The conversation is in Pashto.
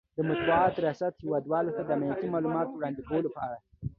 ،د مطبوعاتو ریاست هیواد والو ته د امنیتي مالوماتو وړاندې کولو په اړه